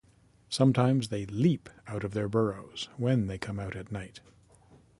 Sometimes, they leap out of their burrows when they come out at night.